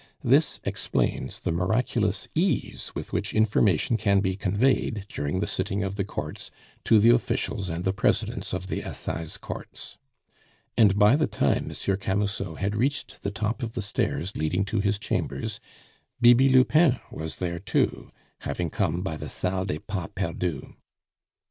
This explains the miraculous ease with which information can be conveyed, during the sitting of the Courts, to the officials and the presidents of the Assize Courts. And by the time Monsieur Camusot had reached the top of the stairs leading to his chambers, Bibi Lupin was there too, having come by the Salle des Pas Perdus.